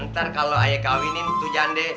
ntar kalo ayah kawinin tujande